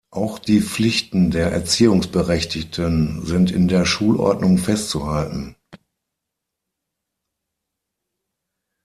Auch die Pflichten der Erziehungsberechtigten sind in der Schulordnung festzuhalten.